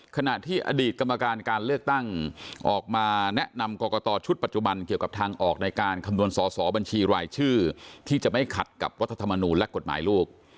ขณะที่อดีตกรรมการการเลือกตั้งออกมาแนะนำกรกตชุดปัจจุบันเกี่ยวกับทางออกในการคำนวณสอสอบัญชีรายชื่อที่จะไม่ขัดกับรัฐธรรมนูลและกฎหมายลูก